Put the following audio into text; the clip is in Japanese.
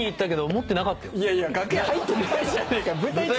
持ってなかった。